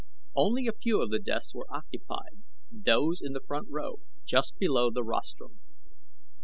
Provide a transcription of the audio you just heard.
Only a few of the desks were occupied those in the front row, just below the rostrum.